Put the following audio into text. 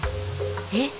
えっ！？